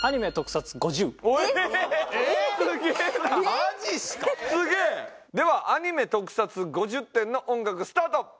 すげえ！ではアニメ・特撮５０点の音楽スタート。